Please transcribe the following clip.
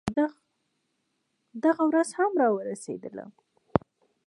دغه ورځ هم راورسېدله.